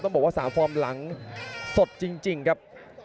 บอกว่า๓ฟอร์มหลังสดจริงครับ